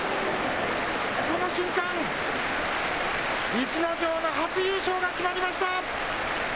この瞬間逸ノ城の初優勝が決まりました。